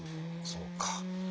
そうか。